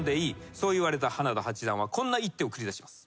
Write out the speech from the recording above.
そう言われた花田八段はこんな一手を繰り出します。